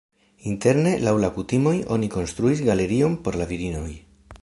Interne laŭ la kutimoj oni konstruis galerion por la virinoj.